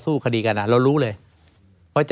ไม่มีครับไม่มีครับ